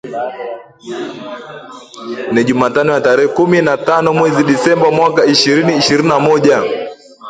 NI JUMATANO YA TAREHE KUMI NA TANO MWEZI DISEMBA MWAKA ISHIRINI ISHIRINI NA MOJA